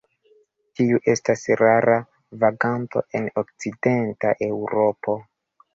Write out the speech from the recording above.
Tiu estas rara vaganto en okcidenta Eŭropo.